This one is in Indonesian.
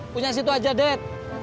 punya situ aja dad